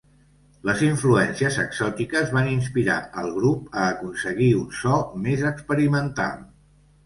Les influències exòtiques van inspirar al grup a aconseguir un so més experimental.